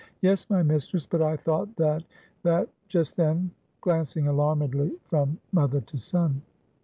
"Yes, my mistress; but I thought that that just then" glancing alarmedly from mother to son.